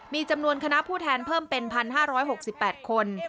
มีจำนวนคณะผู้แทนเพิ่มเป็น๑๕๖๘คน